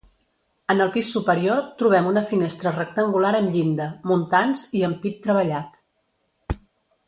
En el pis superior trobem una finestra rectangular amb llinda, muntants i ampit treballat.